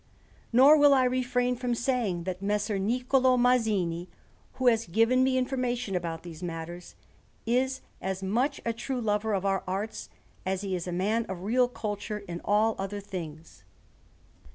Nor will I refrain from saying that Messer Niccolò Masini, who has given me information about these matters, is as much a true lover of our arts as he is a man of real culture in all other things.